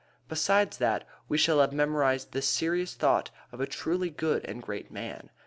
Besides that, we shall have memorized the serious thought of a truly good and great man.